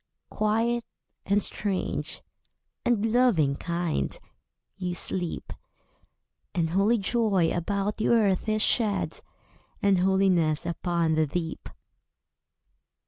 Quiet, and strange, and loving kind, you sleep. And holy joy about the earth is shed; And holiness upon the deep.